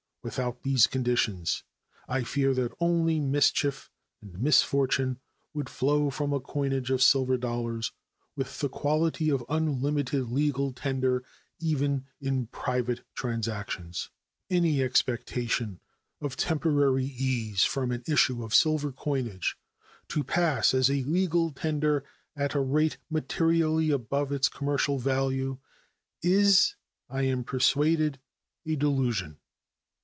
Without these conditions I fear that only mischief and misfortune would flow from a coinage of silver dollars with the quality of unlimited legal tender, even in private transactions. Any expectation of temporary ease from an issue of silver coinage to pass as a legal tender at a rate materially above its commercial value is, I am persuaded, a delusion.